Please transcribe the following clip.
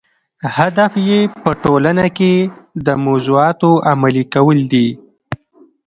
هدف یې په ټولنه کې د موضوعاتو عملي کول دي.